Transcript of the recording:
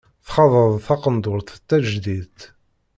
Txaḍ-d taqendurt d tajdiṭ.